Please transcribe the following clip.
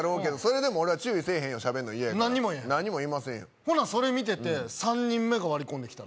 ほなそれ見てて３人目が割り込んできたら？